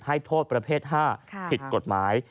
ให้โทษประเภท๕ผิดกฎหมาย